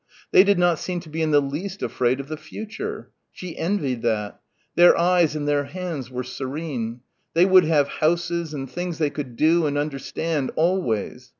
They did not seem to be in the least afraid of the future. She envied that. Their eyes and their hands were serene.... They would have houses and things they could do and understand, always....